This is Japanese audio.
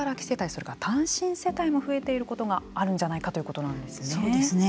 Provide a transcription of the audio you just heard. それから単身世帯も増えていることがあるんじゃないかそうですね。